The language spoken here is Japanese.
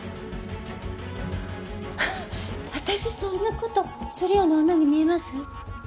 ハッ私そんな事するような女に見えます？